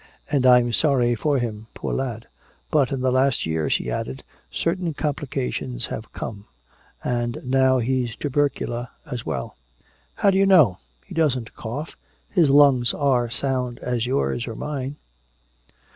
"And I'm sorry for him, poor lad. But in the last year," she added, "certain complications have come. And now he's tubercular as well." "How do you know? He doesn't cough his lungs are sound as yours or mine!"